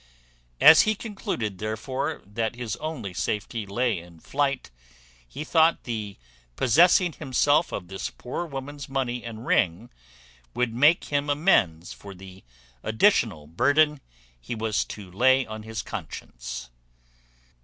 As he concluded therefore that his only safety lay in flight, he thought the possessing himself of this poor woman's money and ring would make him amends for the additional burthen he was to lay on his conscience.